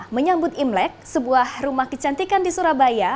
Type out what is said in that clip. menyambut imlek sebuah rumah kecantikan di surabaya